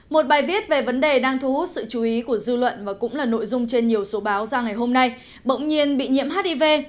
một bài viết về vấn đề đang thu hút sự chú ý của dư luận và cũng là nội dung trên nhiều số báo ra ngày hôm nay bỗng nhiên bị nhiễm hiv